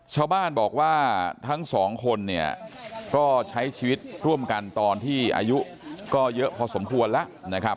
ชาวบ้านบอกว่าทั้งสองคนเนี่ยก็ใช้ชีวิตร่วมกันตอนที่อายุก็เยอะพอสมควรแล้วนะครับ